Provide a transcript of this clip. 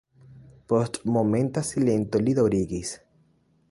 Post momenta silento li daŭrigis.